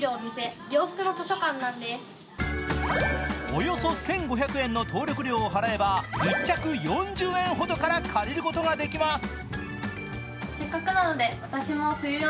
およそ１５００円の登録料を払えば１着４０円ほどから借りることができます。